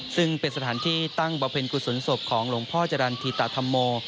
ซึ่งเป็นสถานที่ตั้งบำเพ็ญกุศลศพของหลวงพ่อจรรย์ธิตาธรรมโม